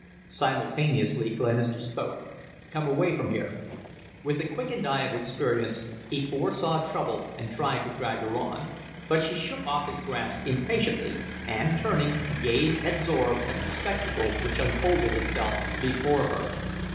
Simultaneously Glenister spoke: "Come away from here." With the quickened eye of experience he foresaw trouble and tried to drag her on, but she shook off his grasp impatiently, and, turning, gazed absorbed at the spectacle which unfolded itself before her.